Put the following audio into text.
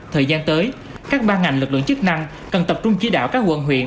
thời gian tới các ba ngành lực lượng chức năng cần tập trung chỉ đạo các quận huyện